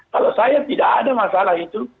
kalau saya tidak ada masalah itu